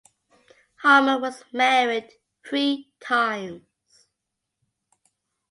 Harmon was married three times.